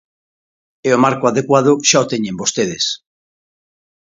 E o marco adecuado xa o teñen vostedes.